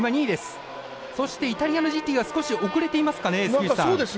そして、イタリアのジッリが少し遅れていますかね？